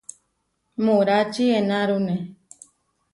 Muráči enárune.